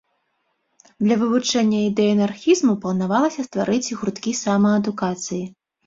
Для вывучэння ідэй анархізму планавалася стварыць гурткі самаадукацыі.